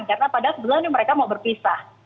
karena padahal sebenarnya mereka mau berpisah